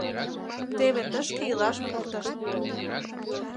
Теве тышке илаш пуртышт.